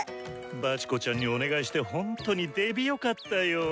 バチコちゃんにお願いしてほんとにデビよかったよ！